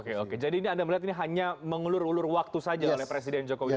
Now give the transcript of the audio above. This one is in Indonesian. oke oke jadi ini anda melihat ini hanya mengulur ulur waktu saja oleh presiden jokowi